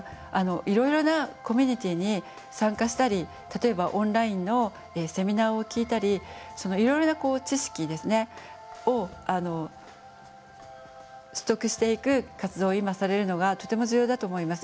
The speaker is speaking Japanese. いろいろなコミュニティーに参加したり例えばオンラインのセミナーを聴いたりいろいろな知識ですねを取得していく活動を今されるのがとても重要だと思います。